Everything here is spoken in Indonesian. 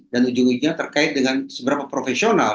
dan ujunginya terkait dengan seberapa profesional